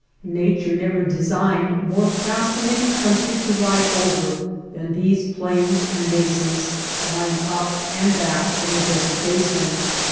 Nature never designed more fascinating coun try to ride over than these plains and mesas lying up and back from the desert basin.